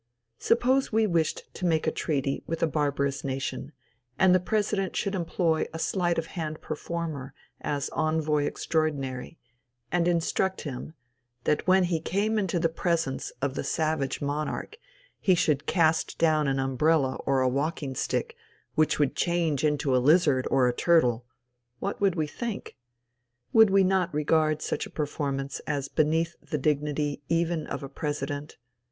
Suppose we wished to make a treaty with a barbarous nation, and the president should employ a sleight of hand performer as envoy extraordinary, and instruct him, that when he came into the presence of the savage monarch, he should cast down an umbrella or a walking stick, which would change into a lizard or a turtle; what would we think? Would we not regard such a performance as beneath the dignity even of a president?